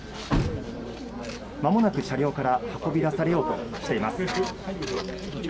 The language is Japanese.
まもなく車両から運び出されようとしています。